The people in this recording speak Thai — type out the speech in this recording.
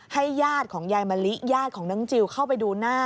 ญาติของยายมะลิญาติของน้องจิลเข้าไปดูหน้า